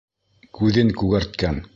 Күҙен күгәрткән!